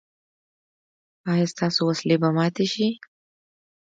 ایا ستاسو وسلې به ماتې شي؟